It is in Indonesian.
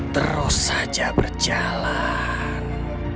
terus saja berjalan